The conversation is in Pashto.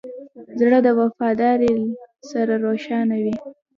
زړه د وفادارۍ سره روښانه وي.